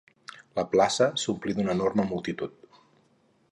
La plaça s'omplí d'una enorme multitud